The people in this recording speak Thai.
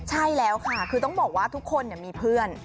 ใช่แล้วค่ะคือต้องบอกว่าทุกคนมีเพื่อน